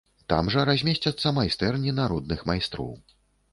Там жа размесцяцца майстэрні народных майстроў.